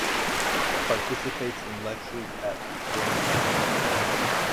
Participates in lectures at "Brain Week".